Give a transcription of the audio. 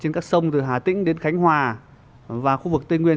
trên các sông từ hà tĩnh đến khánh hòa và khu vực tây nguyên